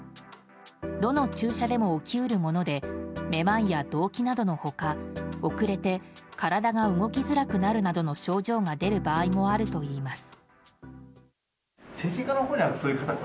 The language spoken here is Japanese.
どの注射でも起き得るものでめまいや動悸などの他遅れて体が動きづらくなるなどの症状が出る場合があるといいます。